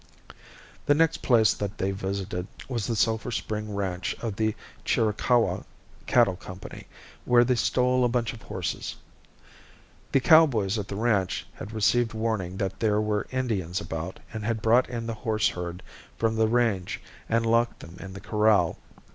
The next place that they visited was the Sulphur Spring ranch of the Chiricahua Cattle Company, where they stole a bunch of horses. The cowboys at the ranch had received warning that there were Indians about and had brought in the horse herd from the range and locked them in the corral.